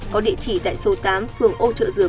có địa chỉ tại số tám phường ô trợ dừa